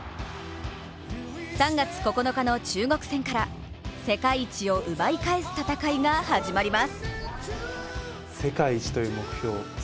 ３月９日の中国戦から世界一を奪い返す戦いが始まります。